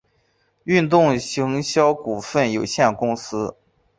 运动行销股份有限公司